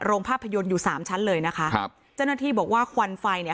โรงภาพยนตร์อยู่สามชั้นเลยนะคะครับเจ้าหน้าที่บอกว่าควันไฟเนี่ย